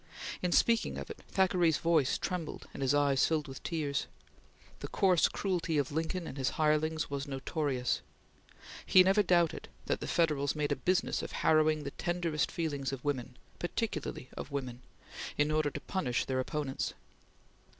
In speaking of it, Thackeray's voice trembled and his eyes filled with tears. The coarse cruelty of Lincoln and his hirelings was notorious. He never doubted that the Federals made a business of harrowing the tenderest feelings of women particularly of women in order to punish their opponents.